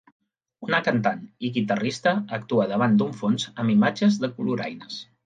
Una cantant i guitarrista actua davant d'un fons amb imatges de coloraines.